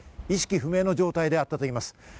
意識不明の状態でだったといいます。